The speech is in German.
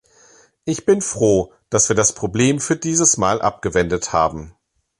Ich bin froh, dass wir das Problem für dieses Mal abgewendet haben.